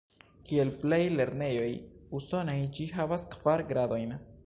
Kiel plej lernejoj Usonaj, ĝi havas kvar gradojn.